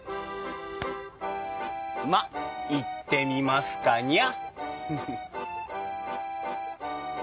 まっ行ってみますかにゃ。